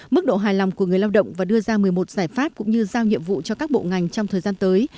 mức độ hài lòng của người lao động và đưa ra một mươi một giải pháp cũng như giao nhiệm vụ cho các bộ ngành trong thời gian tới